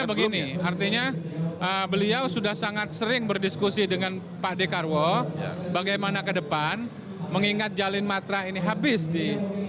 artinya begini artinya beliau sudah sangat sering berdiskusi dengan pak d karwo bagaimana ke depan mengingat jalin matra ini habis di dua ribu sembilan belas